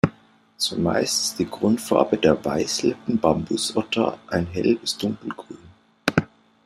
Zumeist ist die Grundfarbe der Weißlippen-Bambusotter ein Hell- bis Dunkelgrün.